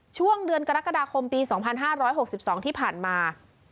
ช่วงเดือนกรกฎาคมปี๒๕๖๒ที่ผ่านมา